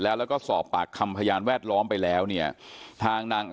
แล้วก็สอบปากคำพยานแวดล้อมไปแล้วเนี่ยทางนาง